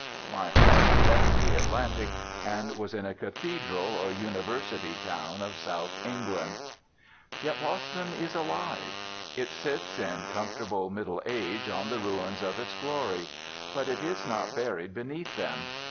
My heart leapt the Atlantic, and was in a Cathedral or University town of South England. Yet Boston is alive. It sits, in comfortable middle age, on the ruins of its glory. But it is not buried beneath them.